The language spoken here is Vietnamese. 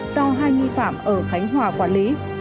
do hai nghi phạm ở khánh hòa quản lý